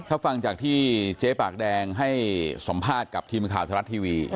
ถ้าฟังจากที่เจ๊ปากแดงให้สัมภาษณ์กับทีมข่าวทะลัดทีวี